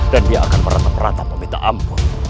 dan dia akan merata rata meminta ampun